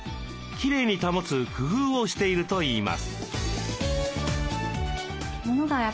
きれいに保つ工夫をしているといいます。